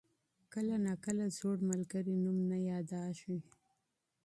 کله ناکله زوړ ملګری نوم نه یادېږي.